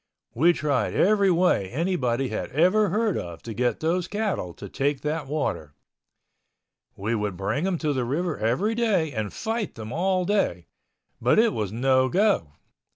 We tried every way anybody had ever heard of to get those cattle to take that water. We would bring them to the river every day and fight them all day, but it was no go.